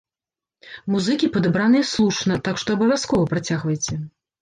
Музыкі падабраныя слушна, так што абавязкова працягвайце!